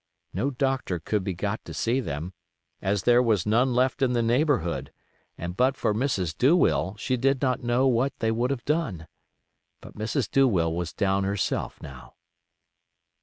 No doctor could be got to see them, as there was none left in the neighborhood, and but for Mrs. Douwill she did not know what they would have done. But Mrs. Douwill was down herself now.